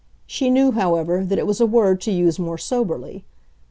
She knew, however, that it was a word to use more soberly.